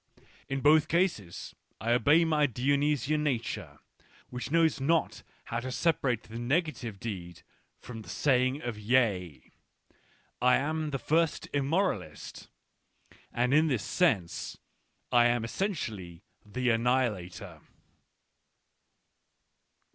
In both cases I obey my Dionysian nature ? which knows not how to separate the negative deed from thej sayinigrof yea. I am the first immoralist, and in this sense^lim essentially the annihilator.